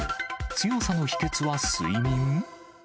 強さの秘けつは睡眠？